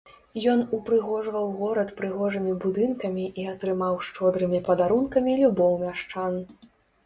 Ён упрыгожваў горад прыгожымі будынкамі і атрымаў шчодрымі падарункамі любоў мяшчан.